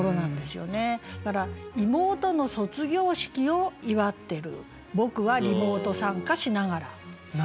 だから「妹の卒業式を祝ってる僕はリモート参加しながら」。